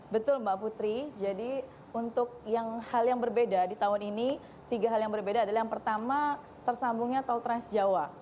betul mbak putri jadi untuk hal yang berbeda di tahun ini tiga hal yang berbeda adalah yang pertama tersambungnya tol trans jawa